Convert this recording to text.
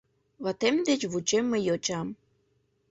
Ватем деч вучем мый йочам.